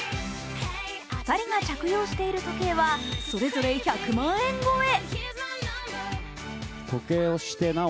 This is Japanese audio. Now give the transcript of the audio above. ２人が着用している時計はそれぞれ１００万円超え。